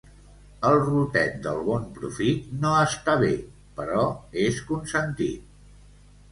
El rotet del bon profit no està bé, però és consentit.